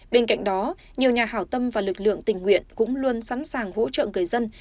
bên cạnh đó nhiều nhà hào tâm và lực lượng tình nguyện cũng luôn sẵn sàng hỗ trợ người dân